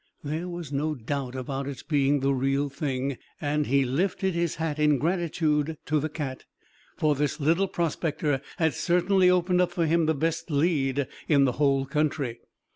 There was no doubt about its being the real thing and he lifted his hat in gratitude to the cat, for this little prospector had certainly opened up for him the best lead in the whole country.